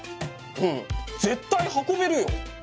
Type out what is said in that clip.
うん絶対運べるよ！